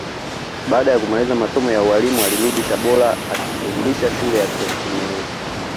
Baada ya kumaliza masomo ya ualimu alirudi Tabora akifundisha shule ya Senti Meri